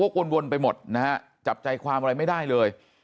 โว๊คโว๊ควนไปหมดนะครับจับใจความอะไรไม่ได้เลย